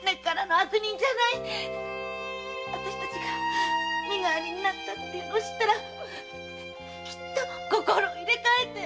私たちが身代わりになったと知ったらきっと心を入れ替えて。